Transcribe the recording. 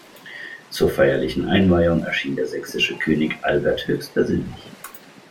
Zur feierlichen Einweihung erschien der sächsische König Albert höchstpersönlich.